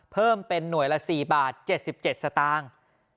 เพิ่มเป็นหน่วยละ๔บาท๗๗สตางค์